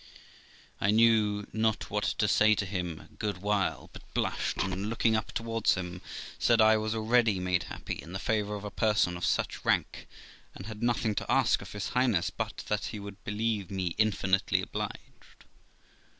23O THE LIFE OF ROXANA I knew not what to say to him a good while, but blushed, and, looking np towards him, said I was already made happy in the favour of a person of such rank, and had nothing to ask of his Highness but that he would believe me infinitely obliged.